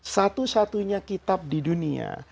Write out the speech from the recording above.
satu satunya kitab di dunia